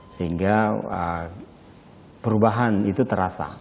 sehingga perubahan itu terasa